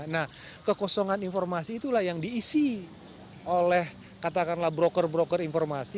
nah kekosongan informasi itulah yang diisi oleh katakanlah broker broker informasi